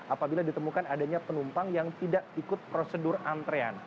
apabila ditemukan adanya penumpang yang tidak ikut prosedur antrean